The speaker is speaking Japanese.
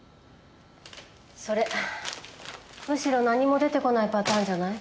それむしろ何も出てこないパターンじゃない？